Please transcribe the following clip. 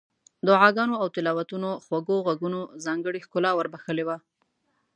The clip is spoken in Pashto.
دعاګانو او تلاوتونو خوږو غږونو ځانګړې ښکلا ور بخښلې وه.